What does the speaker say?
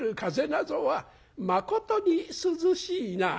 なぞはまことに涼しいな」。